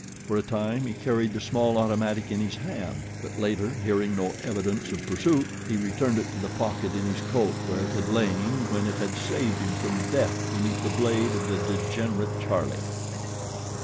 For a time he carried the small automatic in his hand; but later, hearing no evidence of pursuit, he returned it to the pocket in his coat where it had lain when it had saved him from death beneath the blade of the degenerate Charlie.